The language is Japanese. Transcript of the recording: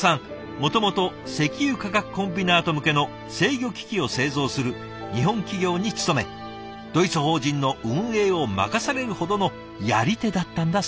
もともと石油化学コンビナート向けの制御機器を製造する日本企業に勤めドイツ法人の運営を任されるほどのやり手だったんだそうです。